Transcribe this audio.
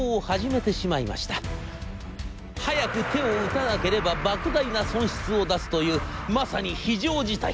早く手を打たなければばく大な損失を出すというまさに非常事態。